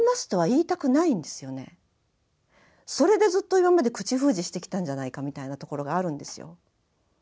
それでずっと今まで口封じしてきたんじゃないかみたいなところがあるんですよ。